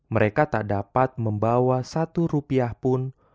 mereka tak dapat membawa satu rupiah pun